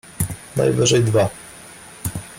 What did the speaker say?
Najwyżej dwa.